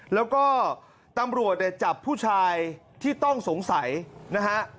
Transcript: แล้วก็ตำรวจเนี่ยจับผู้ชายที่ต้องสงสัยนะฮะ